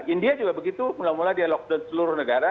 india juga begitu mulai mulai dia lockdown seluruh negara